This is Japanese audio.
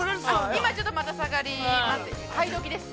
◆今ちょっとまた下がり、買いどきです。